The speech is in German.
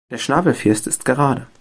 Der Schnabelfirst ist gerade.